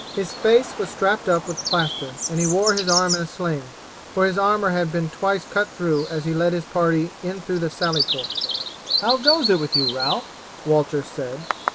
His face was strapped up with plaster and he wore his arm in a sling, for his armour had been twice cut through as he led his party in through the sally port. "How goes it with you, Ralph?" Walter said.